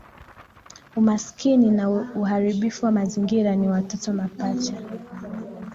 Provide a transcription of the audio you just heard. Umaskini na uharibifu wa mazingira ni watoto mapacha